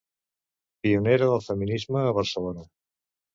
Pionera del feminisme a Barcelona.